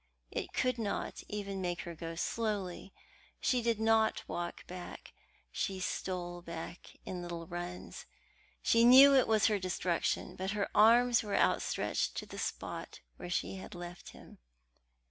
It could not even make her go slowly. She did not walk back; she stole back in little runs. She knew it was her destruction, but her arms were outstretched to the spot where she had left him.